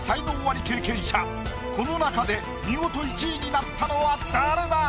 この中で見事１位になったのは誰だ